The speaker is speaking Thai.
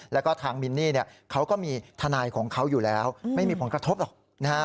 แล้วก็ทางมินนี่เขาก็มีทนายของเขาอยู่แล้วไม่มีผลกระทบหรอก